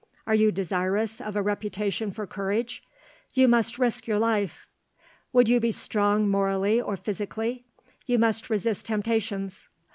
Are you desirous of a reputation for courage? You must risk your life. Would you be strong morally or physically? You must resist temptations.